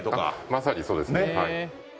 まさにそうですねはい。